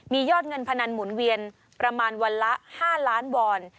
มียอดเงินพนันหมุนเวียนประมาณวันละ๕ล้านวอน